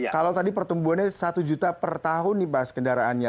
kalau tadi pertumbuhannya satu juta per tahun nih bahas kendaraannya